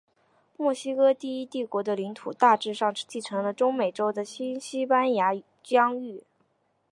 墨西哥第一帝国的领土大致上继承了中美洲的新西班牙疆域。